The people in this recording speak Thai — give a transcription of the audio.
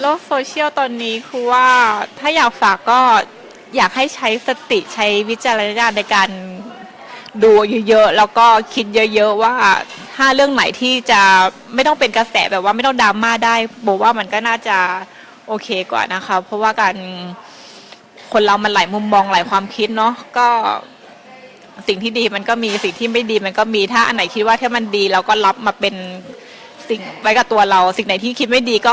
โซเชียลตอนนี้คือว่าถ้าอยากฝากก็อยากให้ใช้สติใช้วิจารณญาณในการดูเยอะเยอะแล้วก็คิดเยอะเยอะว่าถ้าเรื่องไหนที่จะไม่ต้องเป็นกระแสแบบว่าไม่ต้องดราม่าได้โบว่ามันก็น่าจะโอเคกว่านะคะเพราะว่าการคนเรามันหลายมุมมองหลายความคิดเนาะก็สิ่งที่ดีมันก็มีสิ่งที่ไม่ดีมันก็มีถ้าอันไหนคิดว่าถ้ามันดีเราก็รับมาเป็นสิ่งไว้กับตัวเราสิ่งไหนที่คิดไม่ดีก็